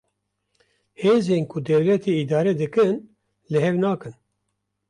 Hêzên ku dewletê îdare dikin, li hev nakin